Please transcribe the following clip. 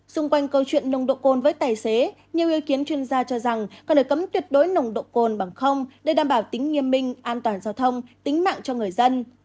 xung quanh câu chuyện nồng độ cồn với tài xế nhiều ý kiến chuyên gia cho rằng cần phải cấm tuyệt đối nồng độ cồn bằng không để đảm bảo tính nghiêm minh an toàn giao thông tính mạng cho người dân